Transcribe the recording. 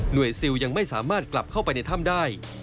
ซิลยังไม่สามารถกลับเข้าไปในถ้ำได้